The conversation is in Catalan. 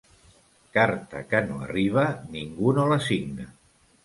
Carta que no arriba, ningú no la signa.